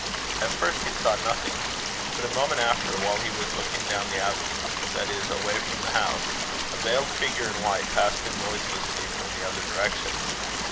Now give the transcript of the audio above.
At first he saw nothing. But, a moment after, while he was looking down the avenue, that is, away from the house, a veiled figure in white passed him noiselessly from the other direction.